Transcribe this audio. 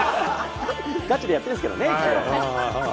ガチでやってるんですけどね。